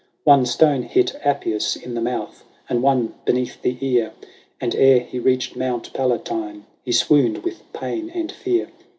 One stone hit Appius in the mouth, and one beneath the ear ; And ere he reached Mount Palatine, he swooned with pain and fear.